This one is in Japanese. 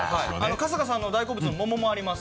春日さんの大好物のモモもあります。